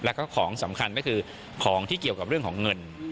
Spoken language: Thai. แล้วก็ของสำคัญก็คือของที่เกี่ยวกับเรื่องของเงิน